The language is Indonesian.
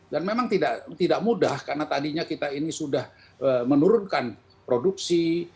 dan memang tidak mudah karena tadinya kita ini sudah menurunkan produksi